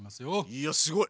いやすごい！